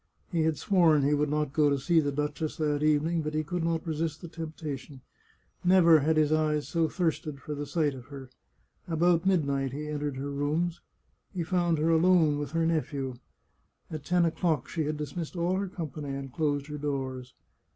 He had sworn he would not go to see the duchess that evening, but he could not resist the temptation. Never had his eyes so thirsted for the sight of her. About midnight he entered her rooms. He found her alone with her nephew. At ten o'clock she had dismissed all her company and closed her doors.